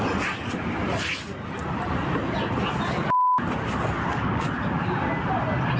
พี่แค่ทำให้ส่วนตัวอะไร